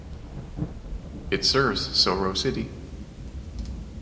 It serves Soro city.